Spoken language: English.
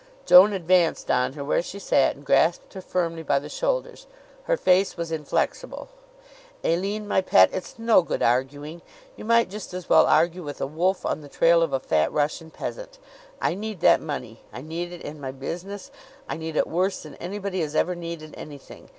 Joan advanced on her where she sat and grasped her firmly by the shoulders. Her face was inflexible. "Aline, my pet, it's no good arguing. You might just as well argue with a wolf on the trail of a fat Russian peasant. I need that money. I need it in my business. I need it worse than anybody has ever needed anything.